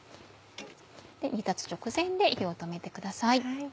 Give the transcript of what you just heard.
煮立つ直前で火を止めてください。